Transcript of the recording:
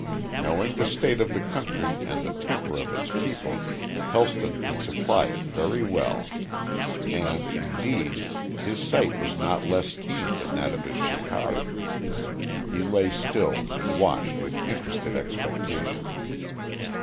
Knowing the state of the country and the temper of its people, Helston could supply it very well. And, indeed, his sight was not less keen than that of his shikari. He lay still and watched with interested expectation.